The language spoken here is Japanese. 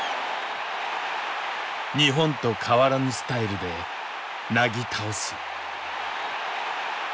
日本と変わらぬスタイルでなぎ倒す。